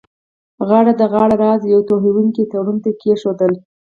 غاړه دغه راز یوه توهینونکي تړون ته کښېښودله.